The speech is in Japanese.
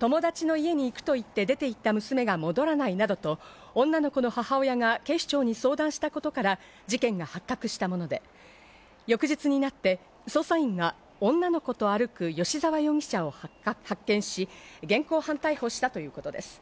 友達の家に行くと言って出て行った娘が戻らないなどと女の子の母親が警視庁に相談したことから、事件が発覚したもので、翌日になって捜査員が女の子と歩く吉沢容疑者を発見し、現行犯逮捕したということです。